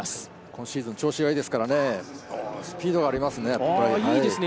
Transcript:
今シーズン調子がいいですからね、スピードがありますね、やっぱり。